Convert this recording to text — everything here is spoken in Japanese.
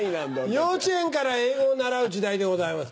幼稚園から英語を習う時代でございます。